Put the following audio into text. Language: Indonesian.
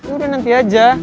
udah nanti aja